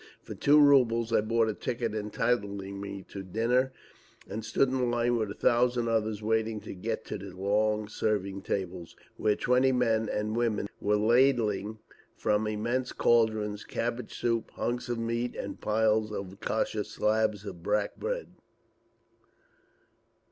For two rubles I bought a ticket entitling me to dinner, and stood in line with a thousand others, waiting to get to the long serving tables, where twenty men and women were ladling from immense cauldrons cabbage soup, hunks of meat and piles of kasha, slabs of black bread.